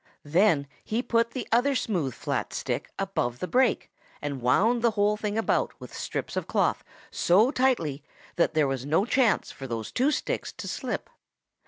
Then he put the other smooth flat stick above the break and wound the whole about with strips of cloth so tightly that there was no chance for those two sticks to slip.